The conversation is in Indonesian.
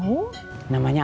gak perlu mereka orang tinggal